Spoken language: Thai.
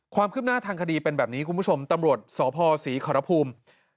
ความคืบหน้าทางคดีเป็นแบบนี้คุณผู้ชมตำรวจสพศรีขอรภูมิ